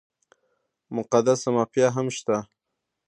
مقدسه مافیا هم شته ده.